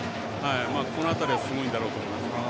この辺りはすごいと思います。